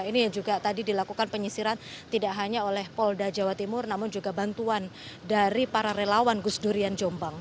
ini juga tadi dilakukan penyisiran tidak hanya oleh polda jawa timur namun juga bantuan dari para relawan gus durian jombang